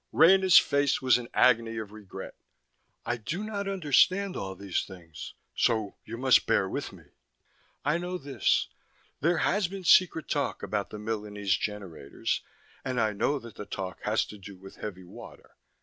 Rena's face was an agony of regret. "I do not understand all these things, so you must bear with me. I know this; there has been secret talk about the Milanese generators, and I know that the talk has to do with heavy water.